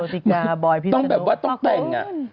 ต้องแบบว่าต้องแต่งอ่ะ